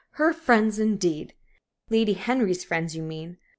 Her friends, indeed! Lady Henry's friends, you mean.